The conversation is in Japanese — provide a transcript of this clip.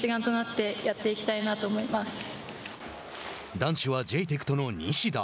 男子はジェイテクトの西田。